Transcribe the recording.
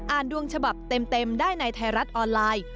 ดวงฉบับเต็มได้ในไทยรัฐออนไลน์